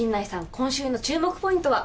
今週の注目ポイントは？